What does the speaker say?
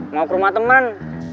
mau ke rumah teman